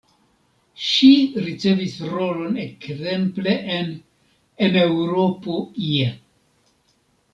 Ŝi ricevis rolon ekzemple en En Eŭropo ie.